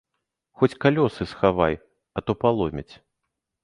Хоць калёсы схавай, а то паломяць.